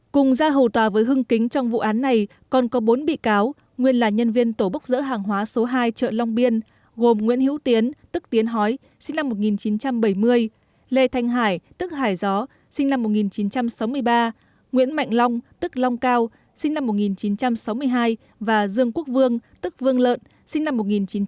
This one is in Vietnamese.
cùng ra hầu tòa với hưng kính trong vụ án này còn có bốn bị cáo nguyên là nhân viên tổ bốc dỡ hàng hóa số hai chợ long biên gồm nguyễn hiếu tiến tức tiến hói sinh năm một nghìn chín trăm bảy mươi lê thanh hải tức hải gió sinh năm một nghìn chín trăm sáu mươi ba nguyễn mạnh long tức long cao sinh năm một nghìn chín trăm sáu mươi hai và dương quốc vương tức vương lợn sinh năm một nghìn chín trăm sáu mươi tám